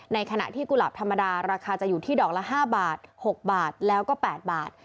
ในขณะที่กุหลาบธรรมดาราคาจะอยู่ที่ดอกละ๕บาท๖บาทแล้วก็๘บาท